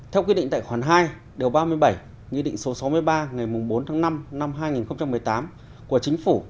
theo quy định tại khoản hai điều ba mươi bảy nghị định số sáu mươi ba ngày bốn tháng năm năm hai nghìn một mươi tám của chính phủ